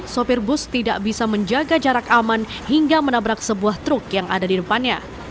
sopir bus tidak bisa menjaga jarak aman hingga menabrak sebuah truk yang ada di depannya